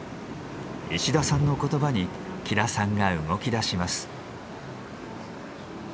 石田さんの言葉に喜田さんが動きだします。